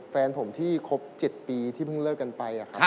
แฟนผมที่ครบ๗ปีที่เพิ่งเลิกกันไป